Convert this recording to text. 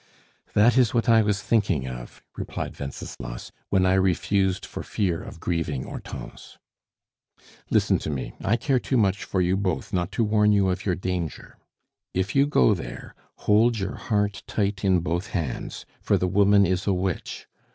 "That is what I was thinking of," replied Wenceslas, "when I refused for fear of grieving Hortense." "Listen to me; I care too much for you both not to warn you of your danger. If you go there, hold your heart tight in both hands, for the woman is a witch.